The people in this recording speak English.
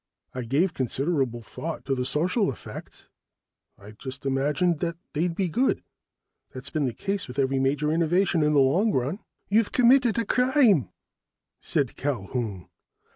"I gave considerable thought to the social effects. I just imagined that they'd be good. That's been the case with every major innovation, in the long run." "You've committed a crime," said Culquhoun.